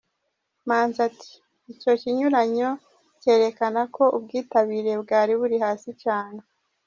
Manzi ati “Icyo kinyuranyo kerekanaga ko ubwitabire bwari buri hasi cyane.